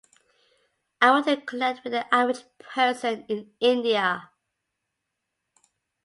I want to connect with the average person in India.